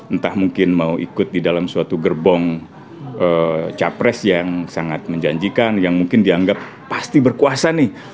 entah mungkin mau ikut di dalam suatu gerbong capres yang sangat menjanjikan yang mungkin dianggap pasti berkuasa nih